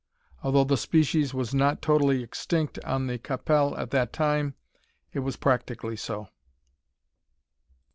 Although the species was not totally extinct on the Qu'Appelle at that time, it was practically so.